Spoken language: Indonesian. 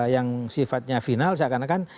yang sifatnya final seakan akan